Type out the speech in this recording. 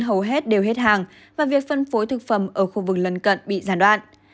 hầu hết đều hết hàng và việc phân phối thực phẩm ở khu vực lân cận bị gián đoạn